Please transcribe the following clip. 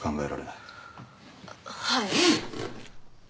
はい。